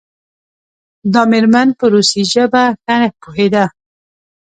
دا میرمن په روسي ژبه ښه پوهیده.